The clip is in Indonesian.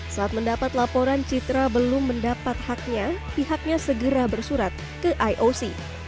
saat mendapat laporan citra belum mendapat haknya pihaknya segera bersurat ke ioc